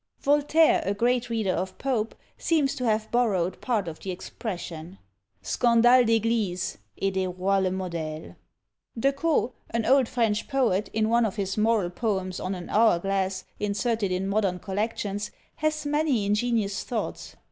Voltaire, a great reader of Pope, seems to have borrowed part of the expression: Scandale d'Eglise, et des rois le modÃẀle. De Caux, an old French poet, in one of his moral poems on an hour glass, inserted in modern collections, has many ingenious thoughts.